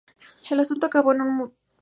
El asunto acabó en un tumulto.